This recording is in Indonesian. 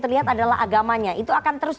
terlihat adalah agamanya itu akan terus